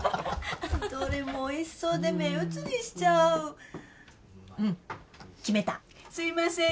どれもおいしそうで目移りしちゃううん決めたすいません